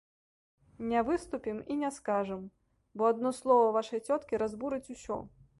Не выступім і не скажам, бо адно слова вашай цёткі разбурыць усё.